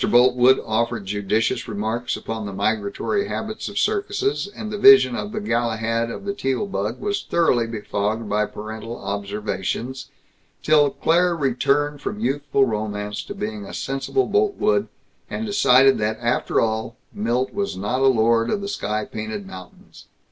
Boltwood offered judicious remarks upon the migratory habits of circuses, and the vision of the Galahad of the Teal bug was thoroughly befogged by parental observations, till Claire returned from youthful romance to being a sensible Boltwood, and decided that after all, Milt was not a lord of the sky painted mountains.